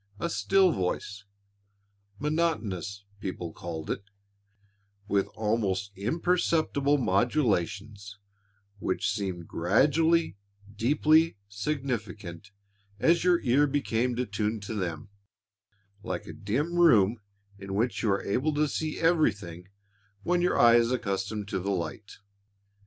A still voice monotonous, people called it with almost imperceptible modulations which seemed gradually deeply significant as your ear became attuned to them, like a dim room in which you are able to see everything when your eye is accustomed to the light.